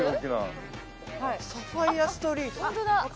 「サファイヤストリート」。